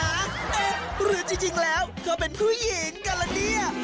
เอ๊ะเนื่องจริงแล้วเขาเป็นผู้หญิงกันละนี่